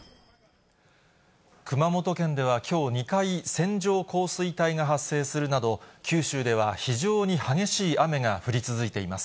熊本県では、きょう２回、線状降水帯が発生するなど、九州では非常に激しい雨が降り続いています。